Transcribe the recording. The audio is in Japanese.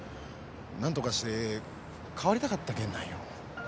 何とかして変わりたかったけんなんよ。